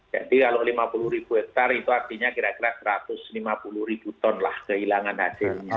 jadi kalau lima puluh ribu hektare itu artinya kira kira satu ratus lima puluh ribu ton lah kehilangan hasilnya